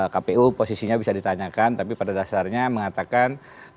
kpu posisinya bisa ditanyakan tapi pada dasarnya mengatakan